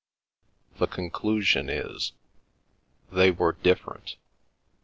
The conclusion is ...) 'They were different.